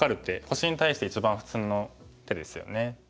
星に対して一番普通の手ですよね。